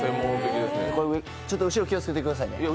ちょ、後ろ気をつけてくださいね、よっ。